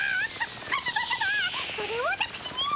それをわたくしにも！